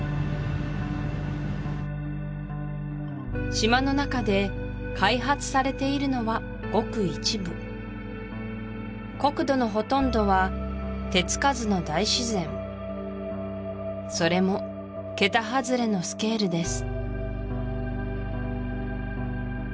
島の中で開発されているのはごく一部国土のほとんどは手つかずの大自然それも桁外れのスケールです